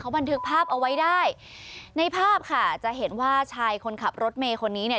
บันทึกภาพเอาไว้ได้ในภาพค่ะจะเห็นว่าชายคนขับรถเมย์คนนี้เนี่ย